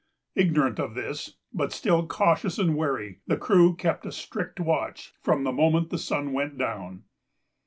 Ignorant of this, but still cautious and wary, the crew kept a strict watch from the moment the sun went down.